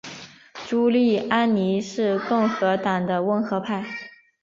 朱利安尼是共和党的温和派。